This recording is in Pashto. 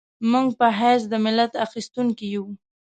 موږ په حیث د ملت اخیستونکي یو.